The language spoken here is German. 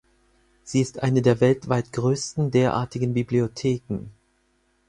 Sie ist eine der weltweit größten derartigen Bibliotheken.